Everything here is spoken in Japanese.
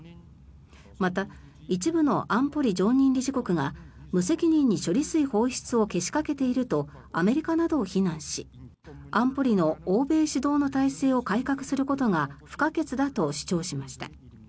また、一部の安保理常任理事国が無責任に処理水放出をけしかけているとアメリカなどを非難し安保理の欧米主導の体制を改革することが不可欠だと主張しました。